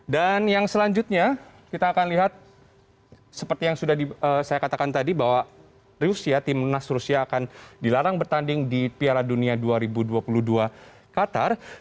dan yang selanjutnya kita akan lihat seperti yang sudah saya katakan tadi bahwa tim nas rusia akan dilarang bertanding di piala dunia dua ribu dua puluh dua qatar